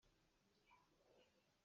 Nang le kei cu samhrisih kan si rua lo.